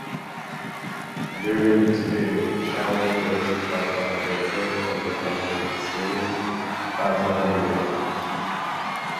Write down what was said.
During this period, Channing voiced Barbara Gordon in the animated series, "Batman Beyond".